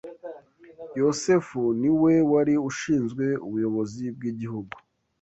Yosefu ni we wari ushinzwe ubuyobozi bw’igihugu